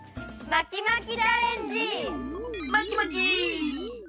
まきまき！